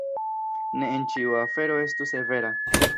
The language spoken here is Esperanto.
Ne en ĉiu afero estu severa.